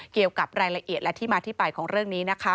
เกี่ยวกับรายละเอียดและที่มาที่ไปของเรื่องนี้นะคะ